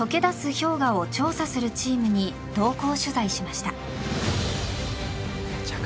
氷河を調査するチームに同行取材しました。